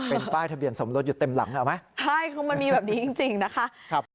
เป็นป้ายทะเบียนสมรสอยู่เต็มหลังเอาไหมใช่คือมันมีแบบนี้จริงจริงนะคะ